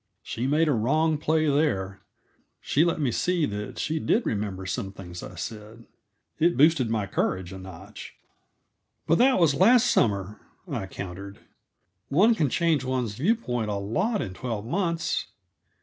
She made a wrong play there; she let me see that she did remember some things that I said. It boosted my courage a notch. "But that was last summer," I countered. "One can change one's view point a lot in twelve months.